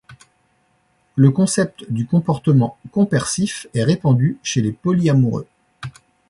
Le concept du comportement compersif est répandu chez les polyamoureux.